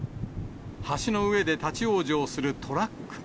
橋の上で立往生するトラック。